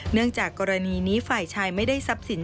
เนื่องจากกรณีนี้ฝ่ายชายไม่ได้ซับสิน